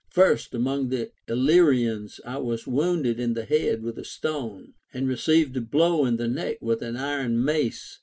First, among the Illyrians I was wounded in the head with a stone, and received a blow in the neck Avith an iron mace.